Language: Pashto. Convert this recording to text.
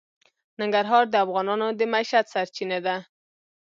ننګرهار د افغانانو د معیشت سرچینه ده.